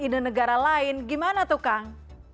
ide negara lain gimana tuh kang